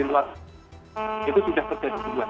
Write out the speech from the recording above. itu sudah terjadi